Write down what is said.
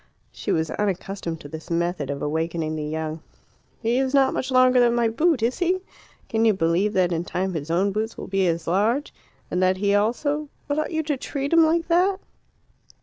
She was unaccustomed to this method of awakening the young. "He is not much longer than my boot, is he? Can you believe that in time his own boots will be as large? And that he also " "But ought you to treat him like that?"